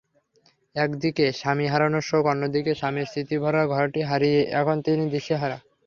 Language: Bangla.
একদিকে স্বামী হারানোর শোক, অন্যদিকে স্বামীর স্মৃতিভরা ঘরটি হারিয়ে এখন তিনি দিশেহারা।